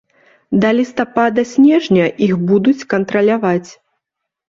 Да лістапада-снежня іх будуць кантраляваць.